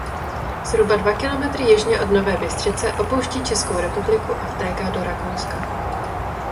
Zhruba dva kilometry jižně od Nové Bystřice opouští Českou republiku a vtéká do Rakouska.